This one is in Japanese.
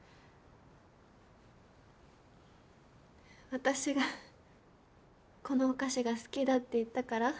私がこのお菓子が好きだって言ったから？